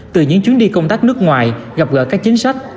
từ những chuyến đi công tác nước ngoài gặp gỡ các chính sách